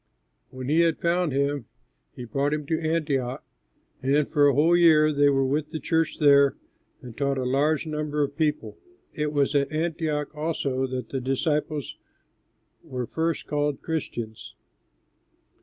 When he had found him, he brought him to Antioch, and for a whole year they were with the church there and taught a large number of people. It was at Antioch also that the disciples were first called Christians.